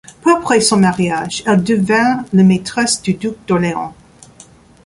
Peu après son mariage, elle devint la maîtresse du duc d'Orléans.